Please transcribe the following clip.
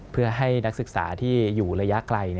เพื่อให้นักศึกษาที่อยู่ระยะไกล